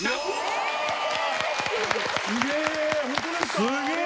すげえ！